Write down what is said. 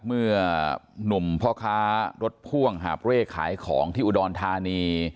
หนุ่มพ่อค้ารถพ่วงหาบเร่ขายของที่อุดรธานี